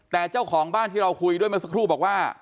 แต่เจ้าของบ้านที่เราคุยด้วยเมื่อสักครู่บอกว่า